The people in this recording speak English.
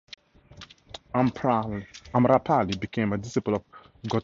Amrapali became a disciple of Gautama Buddha.